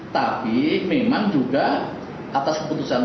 tapi memang juga atas keputusan